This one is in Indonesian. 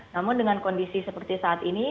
namun dengan kondisi seperti saat ini